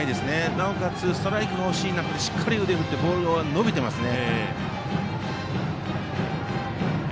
なおかつストライクが欲しい中でしっかり腕を振ってボールが伸びていますね。